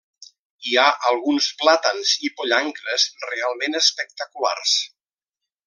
Hi ha alguns plàtans i pollancres realment espectaculars.